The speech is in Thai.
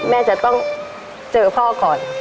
แม่จะต้องเจอพ่อก่อน